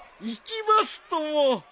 行きますとも。